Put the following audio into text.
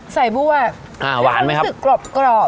สายบัวรู้สึกกรอบ